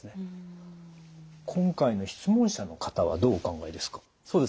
今回の質問者の方はどうお考えですか？